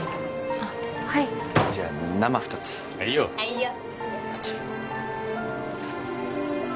あっはいじゃあ生２つはいよあっち？